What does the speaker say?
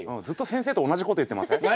ずっと先生と同じこと言ってません？